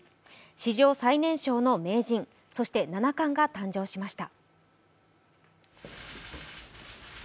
史上最年少の名人、そして七冠が誕生しました。